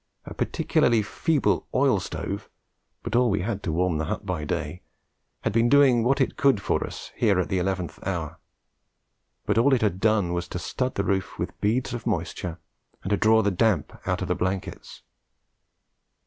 A particularly feeble oil stove, but all we had to warm the hut by day, had been doing what it could for us here at the eleventh hour; but all it had done was to stud the roof with beads of moisture and draw the damp out of the blankets.